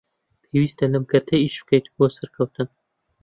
پێویستە لەم کەرتە ئیش بکەین بۆ سەرکەوتن